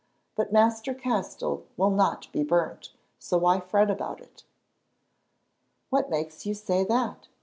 But Master Castell will not be burnt, so why fret about it." "What makes you say that?"